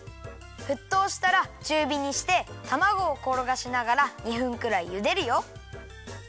ふっとうしたらちゅうびにしてたまごをころがしながら２分くらいゆでるよ。